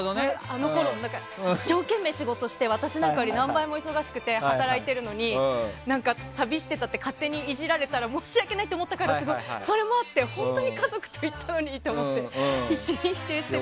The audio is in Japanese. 一生懸命、仕事をして私なんかより何倍も忙しくて働いているのに旅してたって勝手にいじられたら申し訳ないと思ったからそれもあって本当に家族と行ったのにと必死に否定してて。